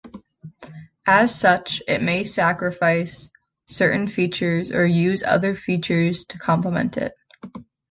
As such, it may sacrifice certain features, or use other features to complement it.